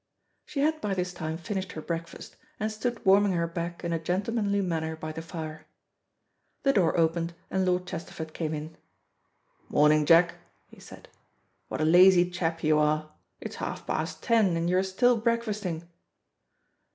She had by this time finished her breakfast, and stood warming her back in a gentlemanly manner by the fire. The door opened and Lord Chesterford came in. "Morning, Jack," he said, "what a lazy chap you are. It's half past ten, and you're still breakfasting.